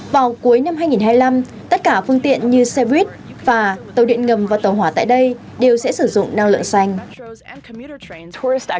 vào cuối năm hai nghìn hai mươi năm tất cả phương tiện như xe buýt và tàu điện ngầm và tàu hỏa tại đây đều sẽ sử dụng năng lượng xanh